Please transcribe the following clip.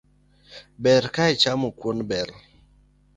Ber ka ichamo kuon bel